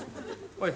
おい！